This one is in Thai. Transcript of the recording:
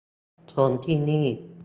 ชมที่นี่